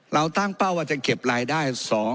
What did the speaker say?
เราตั้งเป้าว่าจะเก็บรายได้